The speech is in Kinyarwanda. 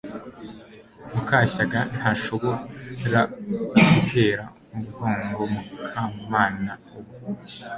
Mukashyaka ntashobora gutera umugongo Mukamana ubu